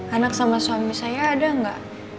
anak sama suami saya ada nggak